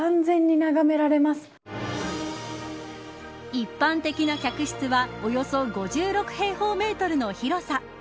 一般的な客室はおよそ５６平方メートルの広さ。